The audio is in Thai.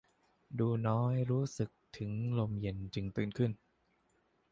ดูน้อยรู้สึกถึงลมเย็นจึงตื่นขึ้น